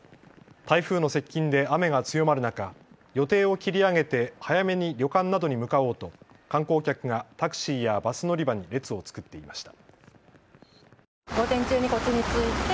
台風の接近で雨が強まる中、予定を切り上げて早めに旅館などに向かおうと観光客がタクシーやバス乗り場に列を作っていました。